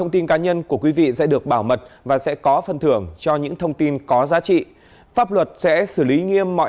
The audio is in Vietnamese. xin chào và hẹn gặp lại